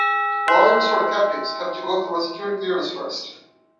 Lawyers for the captives have to go through a security clearance first.